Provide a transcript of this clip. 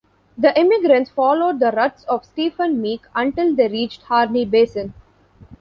The emigrants followed the ruts of Stephen Meek until they reached Harney Basin.